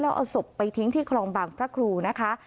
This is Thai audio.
แล้วเอาศพไปทิ้งที่คลองบางพระครูนะคะ